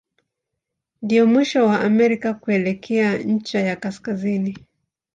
Ndio mwisho wa Amerika kuelekea ncha ya kaskazini.